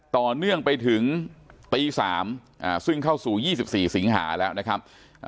ต่อเนื่องไปถึงตี๓ซึ่งเข้าสู่๒๔สิงหาแล้วนะครับ